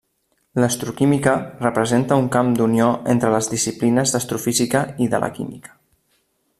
L'astroquímica representa un camp d'unió entre les disciplines d'astrofísica i de la química.